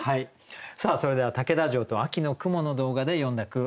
それでは竹田城と秋の雲の動画で詠んだ句